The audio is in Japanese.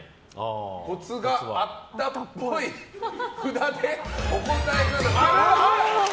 コツがあったっぽい札でお答えください。